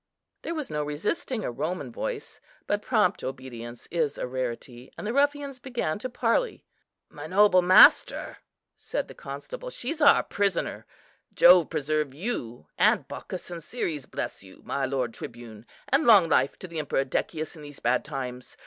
There was no resisting a Roman voice, but prompt obedience is a rarity, and the ruffians began to parley. "My noble master," said the constable, "she's our prisoner. Jove preserve you, and Bacchus and Ceres bless you, my lord tribune! and long life to the Emperor Decius in these bad times.